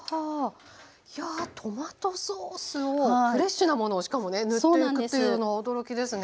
いやトマトソースをフレッシュなものをしかもね塗っていくというのは驚きですね。